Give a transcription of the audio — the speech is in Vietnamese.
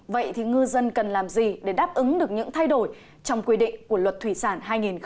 vậy thì ngư dân cần làm gì để đáp ứng được những thay đổi trong quy định của luật thủy sản hai nghìn một mươi tám